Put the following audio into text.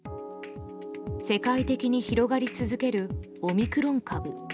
世界的に広がり続けるオミクロン株。